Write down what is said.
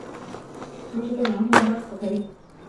روژه د ګناهونو بار سپکوي.